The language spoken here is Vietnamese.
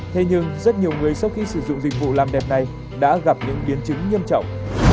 thế nhưng rất nhiều người sau khi sử dụng dịch vụ làm đẹp này đã gặp những biến chứng nghiêm trọng